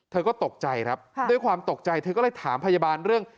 เธอก็ตกใจครับด้วยความตกใจเธอก็เลยถามพยาบาลเรื่อง